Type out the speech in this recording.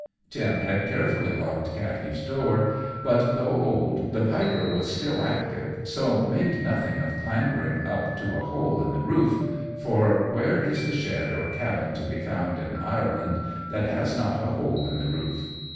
Tim had carefully locked Katty's door; but, though old, the Piper was still active, so made nothing of clambering up to a hole in the roof for where is the shed or cabin to be found in Ireland that has not a hole in the roof?